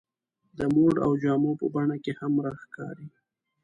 د موډ او جامو په بڼه کې هم راښکاري.